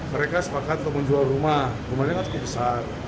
mereka sepakat untuk menjual rumah rumahnya kan cukup besar